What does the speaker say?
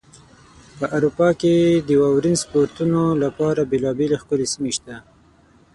په اروپا کې د واورین سپورتونو لپاره بېلابېلې ښکلې سیمې شته.